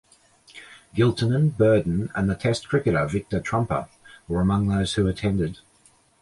Giltinan, Burdon and the Test cricketer Victor Trumper were among those who attended.